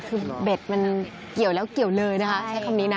คือเบ็ดมันเกี่ยวแล้วเกี่ยวเลยนะคะใช้คำนี้นะ